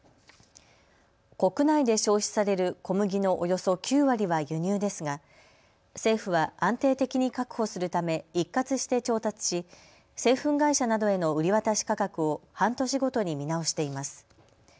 国内で消費される小麦のおよそ９割は輸入ですが政府は安定的に確保するため一括して調達し製粉会社などへの売り渡し価格を半年ごとに見直しています。